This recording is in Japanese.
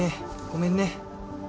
ごめんね。